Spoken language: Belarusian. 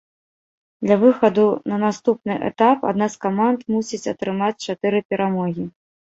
Для выхаду на наступны этап адна з каманд мусіць атрымаць чатыры перамогі.